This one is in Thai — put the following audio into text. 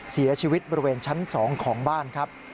เสียชีวิตบริเวณชั้น๒ของบ้านครับ